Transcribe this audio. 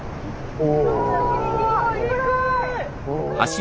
お！